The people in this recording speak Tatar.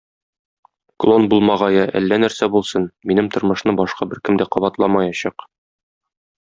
Клон булмагае әллә нәрсә булсын, минем тормышны башка беркем дә кабатламаячак.